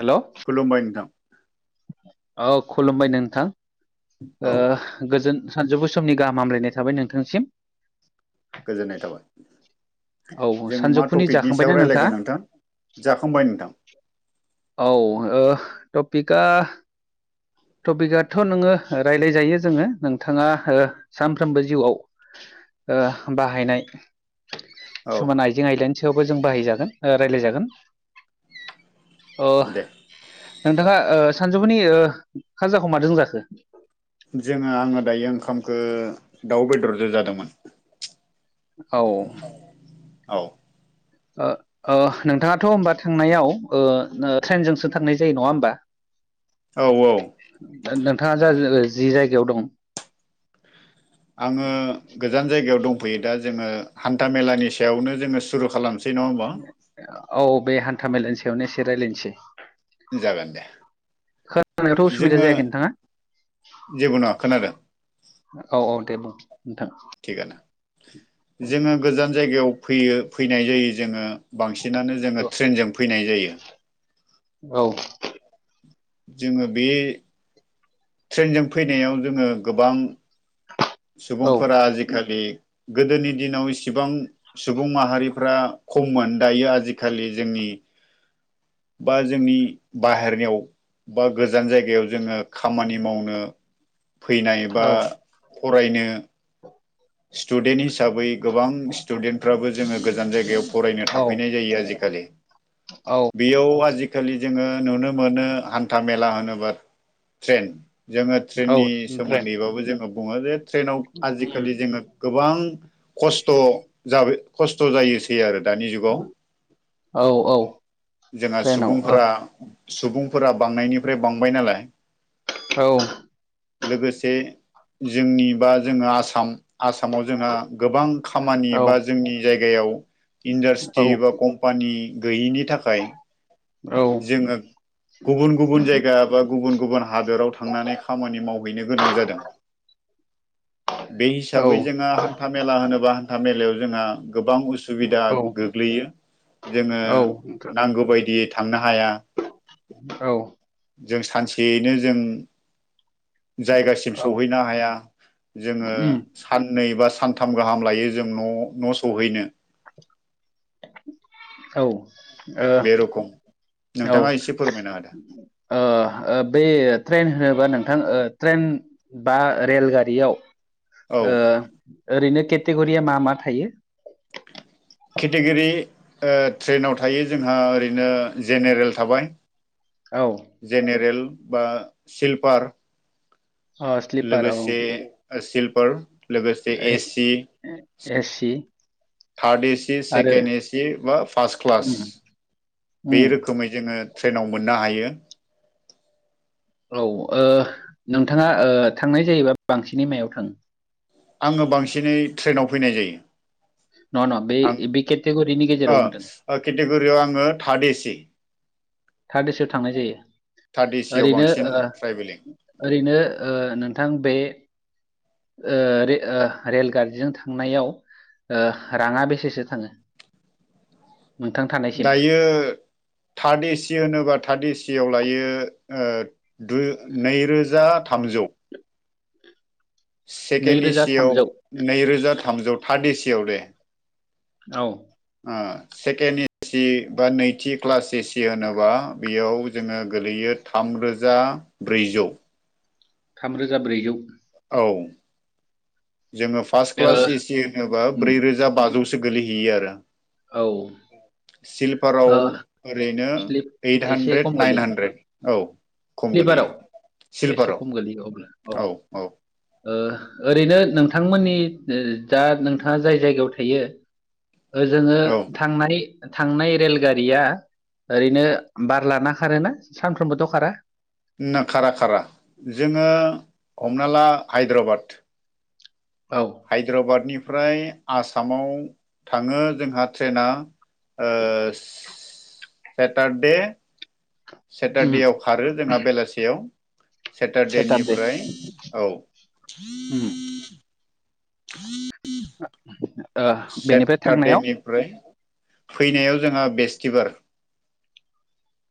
हेल' खुलुमबाय नोंथां औ खुलुमबाय नोंथां औ ओ गोजोन सानजौफु समनि गाहाम हामलायनाय थाबाय नोंथांसिम गोजोननाय थाबाय औ जोङो मा सानजौफुनि टपिकनि सायाव जाखांबायना रायज्लायगोन नोंथाङा? नोंथां जाखांबाय नोंथां औ ओ टपिकआ टपिकआथ' नोङो रायलायजायो जोङो नोंथाङा ओ सानफ्रोमबो जिउआव ओ बाहायनाय औ खिसुमान आइजें आइलानि सायावबो जों बाहायजागोन ओ रायलायजागोन अ दे नोंथाङा ओ सानजौफुनि ओ खाजाखौ माजों जाखो? जोङो आङो दायो ओंखामखौ दाउ बेदरजो जादोंमोन। औ औ ओ ओ नोंथाङाथ' होमबा थांनायाव ओ ट्रेनजोंसो थांनाय जायो नङा होमबा? [inaudible] औ औ नोंथाङा जा जि जायगायाव दं। आङो गोजान जायगायाव दंफैयो दा जोङो हान्था मेलानि सायावनो जोङो सुरु खालाम औ बे हान्था मेलानि सायावनो एसे रायज्लायनोसै। जागोन दे खोनानायावथ' उसुबिदा जायाखै नोंथाङा। जेबे नङा खोनादों। औ औ दे बुं नोंथां थिगानो जोङो गोजान जायगायाव फैयो फैनाय जायो जोङो। बांसिनानो जोङो औ ट्रेनजों फैनाय जायो। औ। जोङो बे। ट्रेनजों फैनायाव जोङो गोबां। सुबुंफोरा आजिखालि गोदोनि दिनाव इसिबां सुबुं माहारिफ्रा खममोन दायो आजिखालि जोंनि। बि बा जोंनि बाहेरनियाव बा गोजान जायगायाव जोङो। खामानि मावनो फैनायबा औ फरायनो। सटुडेन्ट। हिसाबै गोबां स्टुडेन्टफ्राबो जोङो गोजान जायगायाव फरायनो थाफैनाय जायो आजिखालि। औ बेयाव आजिखा खालि जोङो नुनो मोनो हान्था मेला होनोबा ट्रेन। जोङो औ ट्रेननि ट्रेन सोमोन्दैबाबो जोङो बुङो जे ट्रेनाव आजिखालि जोङो गोबां। खस्थ' जाब खस्थ' जायोसै आरो दानि जुगाव औ औ जोंहा ट्रेनाव औ सुबुंफोरा सुबुंफोरा बांनायनिफ्राय बांबाय नालाय औ। लोगोसे जोंनि बा जोङो आसाम। आसामाव जोंहा गोबां खामानि औ बा जोंनि जायगायाव। इन्डास्ट्रि औ एबा कम्पानि। गैयिनि थाखाय औ जोङो गुबुन गुबुन जायगा बा गुबुन गुबुन हादोराव थांनानै खामानि मावहैनो गोनां जादों। बे औ हिसाबै जोङो हान्था मेला होनोबा हान्था मेलायाव जोंहा गोबां उसुबिदा गोग्लैयो जोङो नांगौ बायदियै थांनो। हाया औ। जों सानसेयैनो जों। जायगासिम सौहैनो हाया जोङो साननै बा। सथाम गाहाम लायो जों न' न' सहैनो। औ। बे रखम। औ नोंथाङा एसे फोरमायना होदो बे ट्रेन होन बा नोंथां ट्रेन बा रेलगारियाव ओ औ ओरैनो। केटेगुरिया मा मा थायो। केटगिरि ट्रेनाव थायो जोंहा ओरैनो जेनेरेल थाबाय जेनेरेल बा सिल्पार। औ स्लिपार औ लोगोसेनो सिल्प। लोगोसे S AC AC third AC आरो सेकेन्ड एसि बा फार्स्ट क्लास उम उम बे रोखोमै जोङो ट्रेनाव मोननो हायो। औ ओनोंथाङा ओ थांनाय जायोबा बांसिनै मायाव थाङो। आङो बांसिनै ट्रेनाव फैनाय नङा नङा बे जायो बे केटेगरिनि गेजेराव होनदों आं केटेगरियाव आङो थार्ड एसि। थार्ड ए सियाव थांनाय जायो। थार्ड एसियाव ओरैनो बांसिन ओ ट्राइभेलिं ओरैनो ओ नोंथां बे ओ रेलगारिजों थांनायाव ओ राङा बेसेसो थाङो नोंथां थानायसिम दायो थार्ड एसि होनोब्ला' थार्ड ए सियाव लायो ओ दु नैरोजा थामजौ सेकेन्ड नैरोजा एसिव थामजौ नैरोजा थामजौ थार्ड एसिआव दे औ ओ सेकेणड एसि बा नैथि क्लास एसि होनोबा बेयाव जोङो गोलैयो थामरोजा ब्रैजौ थामरोजा ब्रैजौ औ जोङो फार्स्ट ओ क्लास एसि होनोबा उम ब्रै रोजा बाजौसो गोलैहैयो आरो। औ सिलपाराव ओ ओरैनो स्लिप ओइट एसे खम हानद्रेद गोलैयो नाइन हानद्रेद औ खम गोलैयो स्लिपाराव एसे सिलभाराव खम गोलैयो अब्ला औ ओरैनो नोंथांमोननि जा नोंथाङा जाय जायगायाव थायो जोङो औ थांनानै थांनाय रेलगारिया ओरैनो बार लाना खारोना सानफ्रोमबोथ' खारा ना खारा खारा जोङो हमना ला हायद्राबाद औ हायद्राबादनिफ्राय आसामाव थाङो जोंहा ट्रेना ओ सेटारडे उम सेटारडेआव खारो जोंहा बेलासियाव सेटारडे सेटारडेनिफ्राय औ उम [inaudible] [inaudible] [inaudible] बेनिफ्राय थांनायाव सेटारडेनिफ्राय फैनायाव जोंहा बेस्तिबार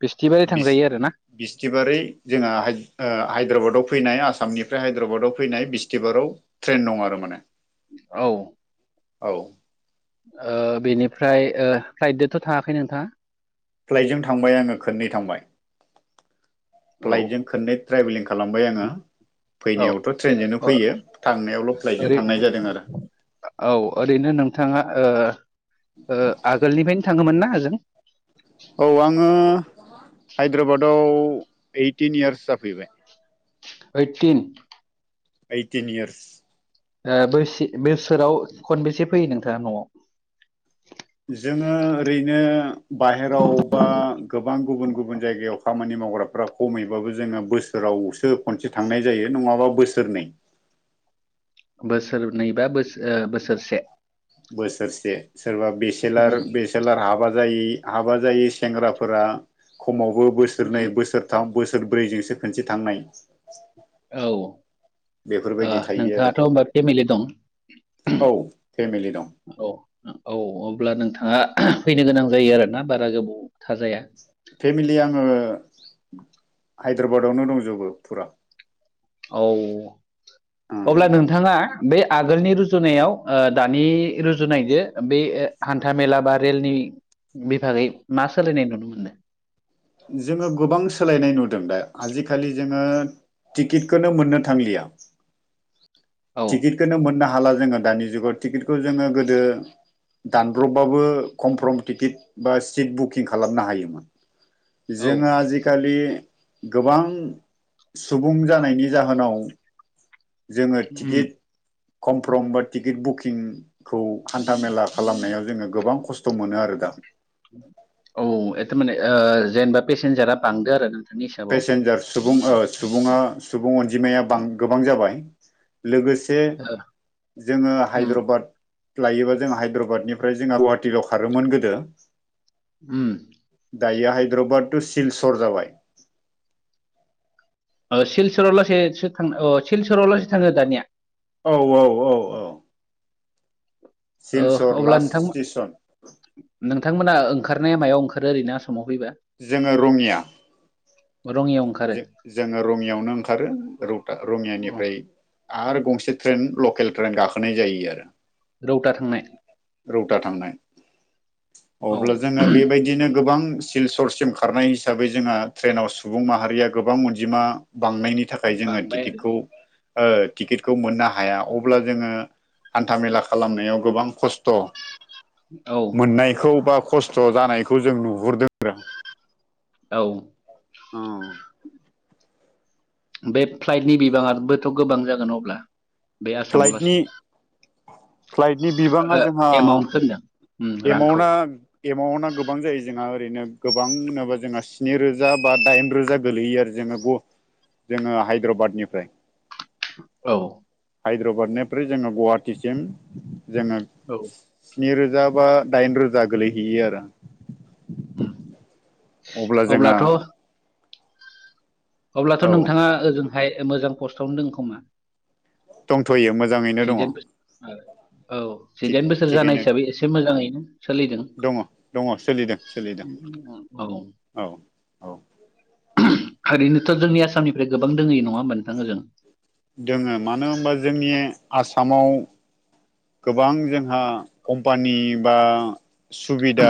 बिस्थिबारै थांजायो आरो ना बिस्थिबारै जोंहा [unintelligible] हायद्राबादाव फैनाय आसामनिफ्राय हायद्राबादाव फैनाय ब्रिस्तिबाराव ट्रेन दं आरो माने औ औ ओ बेनिफ्राय ओ फ्लाइददोथ' थाङाखै नोंथाङा? फ्लाइटजों थांबाय आङो खोननै थांबाय औ फ्लाइटजों खननै ट्रेभेलिं खालामबाय आङो औ फैनायावथ' ट्रेनजोंनो ओ फैयो थांनायावल' फ्लाइटजों ओरै थांनाय जादों आरो औ ओरैनो नोंथाङा ओ ओ आगोलनिफ्रायनो थाङोमोनना ओजों औ आङो हायद्राबादाव ओइटिन इयार्स जाफैबाय ओइटिन ओटिन इयार्स बो बोसोराव खनबेसे फैयो नोंथाङा नवाव जोङो ओरैनो बाहेराव बा गोबां गुबुन गुबुन जायगायाव खामानि मावग्राफ्रा खमैबाबो जोङो बोसोरावसो खनसे थांनाय जायो नङाबा बोसोरनै बोसोरनै बा बोस बोसोरसे बोसोरसे सोरबा बेसेलार उम बेसेलार हाबा जायि हाबा जायो सेंग्राफोरा खमावबो बोसोरनै उम बोसोरथाम बोसोर ब्रैजोंसो खनसे थांनाय औ ओ बेफोरबायदि थायो आरो नोंथाङाथ' होमबा फेमिलि दं औ फेमिलि दं। औ औ अब्ला नोंथाङा फैनो गोनां जायो आरोना बारा गोबाव थाजाया फेमिलि आङो हायद्राबादावनो दंजोबो फुरा औ उम अब्ला नोंथाङा बे आगोलनि रुजुनायाव दानि रुजुनायजों बे हान्था मेला बा रेलनि बिभागै मा सोलायनाय नुनो मोनो? जोङो गोबां सोलायनाय नुदों दा आजिखालि जोङो टिकेटखौनो मोननो थांलिया औ टिकेटखौ मोननो हाला जोंङो दानि जुगाव टिकेटखौ जोंङो गोदो दानब्र'बबाबो कमफर्म टिकेट बा सिट बुकिं खालामनो हायोमोन औ जोंङो आजिखालि गोबां सुबुं जानायनि जाहोनाव जोंङो उम टिकेट कमफ्रर्म बा टिकेट बुकिंखौ हान्था मेला खालामनायाव जोंङो गोबां खस्थ' मोनो आरो दा औ ए थारमाने जेनेबा पेसेन्जारा बांदो आरो ना पेसेन्जार सुबुं सुबुंङा सुबुं अनजिमाया गोबां जाबाय लोगोसे ओ जोंङो उम हायद्राबाद लायोबा जोंहा हायद्राबादनिफ्राय जोंहा गुवाहाटिल' खारोमोन गोदो उम दायो हायद्राबाद टु सिलसर जाबाय सिलसराव लासे सो थां अ सिलसराव लासो थांङो दानिया औ औ औ औ सिलसर अब्ला लास्ट नोंथांमोन स्टेसन नोंथांमोना ओंखारनाया मायाव ओंखारो ओरैनो आसामाव फैबा जोंङो रङिया रङियाव ओंखारो जोंङो रङिायावनो ओंखारो रौता अ रङियानिफ्राय आरो गंसे ट्रेन लकेल ट्रेन गाखोनाय जायो आरो रौता थांनाय रौता थांनाय औ अब्ला जोंङो बेबायदिनो गोबां सिलसरसिम खारनाय हिसाबै जोंहा ट्रेनाव सुबुं माहारिया गोबां अनजिमा बांनायनि थाखाय जोंङो बांबाय टिकेटखौ टिकेटखौ मोननो हाया अब्ला जोंङो हान्था मेला खालामनायाव गोबां खस्थ' आरो औ मोननायखौ बा खस्थ' जानायखौ जों नुहुरदों आरो औ औ बे फ्लाइटनि बिबांङाबोथ गोबां जागोन अब्ला बे आसामाव फ्लाइटनि लासै फ्लाइटनि बिबांङा ओ जोंहा एमाउन्टखौ होनदों उम रांखौ एमाउन्टआ एमाउन्टआ गोबां जायो जोंहा ओरैनो गोबां होनोबा जोंहा स्नि रोजा बा दाइन रोजा गोलैयो आरो जोंङो गु जोंङो हायद्राबादनिफ्राय औ हायद्राबादनिफ्राय जोंङो गुवाहाटिसिम जोंङो औ स्निोजा रोजा बा दाइन रोजा गोलैहैयो आरो उम अब्ला जोंहा अब्लाथ' अब्लाथ' औ नोंथांङा ओजोंहाय मोजां पसमोनदों खोमा थ'यो मोजांङैनो दंङो जिदाइन बोसोर औ जिदाइन बोसोर जानाय हिसाबै एसे मोजांङैनो सोलिदों दङ दङ सोलिदों सोलिदों औ औ औ ओरैनोथ' जोंनि आसामनिफ्राय गोबां दोंङै नंङा होमबा नोंथां होजों दंङो मानो होनबा जोंनि आसामाव गोबां जोंहा कम्पानि बा सुबिदा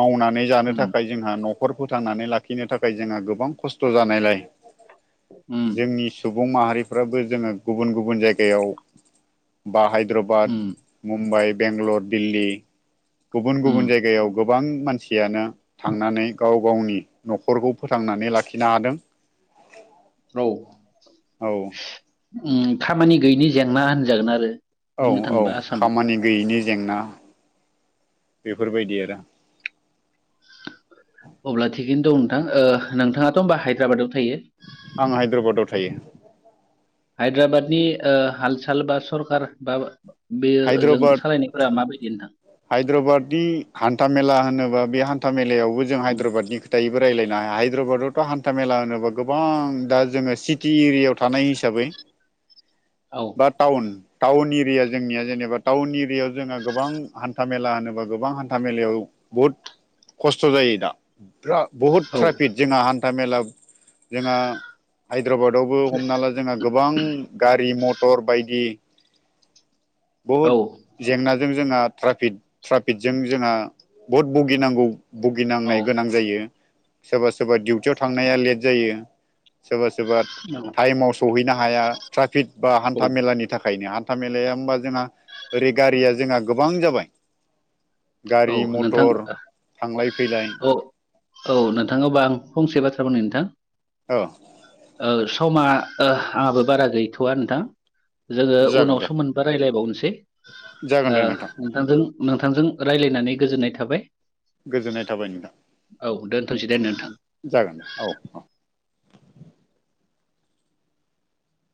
मावनानै जानो उम थाखाय जोंहा न'खर फोथांनानै लाखिनो थाखाय जोंहा गोबां खस्थ' जानायलाय उम जोंनि सुबुं सुबुं माहारिफ्राबो जोंङो गुबुन गुबुन जायगायाव बा हायद्राबाद उम मुम्बाइ बेंगलर दिल्ली गुबुन उम गुबुन जायगायाव गोबां मानसियानो थांनानै गाव गावनि न'खरखौ फोथांनानै लाखिनो हादों। औ औ खामानि गैयिनि जेंना होनजागोन आरो। औ बुंनो - औ थाङोबा आसामाव खामानि गैयैनि जेंना बेफोरबायदि आरो दिनो दं नोंथां नोंथाङाथ' होमबा हायद्राबादाव थायो आं हायद्राबादाव थायो। हायद्राबादनि ओ हालसाल बा सरखार बा बे ओजों हायद्राबाद सालायनायफोरा माबायदि नोंथां? हायद्राबादनि हान्था मेला होनोबा बे हान्था मेलायावबो जों उम हायद्राबादनि खोथायैबो रायजलाय हायद्राबादावथ' हान्था मेला होनोबा गोबां दा जोङो सिटि एरियायाव थानाय हिसाबै औ बा टाउन टाउन एरिया जोंनिया जेनेबा टाउन एरियायाव जोंहा गोबां हान्था मेला होनोबा गोबां हान्था मेलायाव बहुद खस्थ' जायो। दा बहुद औ ट्राफिक जोंहा हान्था मेला जोंहा हायद्राबादावबो हमना ला जोंहा गोबां गारि मटर बायदि औ बहुद जेंनाजों जोंहा ट्राफिट ट्राफिटजों जोंहा बहुद बुगिनांगौ औ बुगिनांनाय गोनां जायो। सोरबा सोरबा डिउटियाव थांनाया लेट जायो सोरबा सोरबा टाइमाव सहैनो हा हाया ट्राफिट बा हान्था औ मेलानि थाखायनो हान्था मेलाया ओमबा जोंहा ओरै गारिया जोंहा गो गोबां जाबाय औ गारि नोंथां मतर थांलाय-फैलाय औ औ नोंथां ओबा आं फंसे बाथ्रा बुंनि नोंथां औ ओ समा आंहाबो बारा गैथ'वा नोंथां जोङो जागोन दे उनावसो मोनबा रायलायबावनोसै जागोन ओ दे नोंथां नोंथांजों नोंथांजों रायलायनानै गोजोननाय थाबाय गोजोननाय थाबाय नोंथां औ दोनथ'सै दे नोंथां जागोन दे औ औ